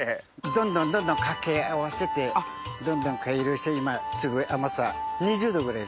どんどんどんどん掛け合わせてどんどん改良して今すごい甘さ。